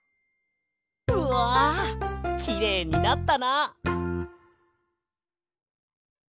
うわきれいになったな。